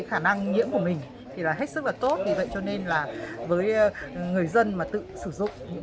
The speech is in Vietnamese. khả năng nhiễm của mình thì là hết sức là tốt vì vậy cho nên là với người dân mà tự sử dụng những